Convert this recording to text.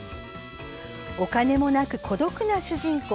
お金もなく孤独な主人公